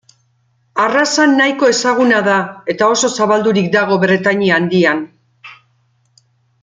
Arraza nahiko ezaguna da eta oso zabaldurik dago Bretainia Handian.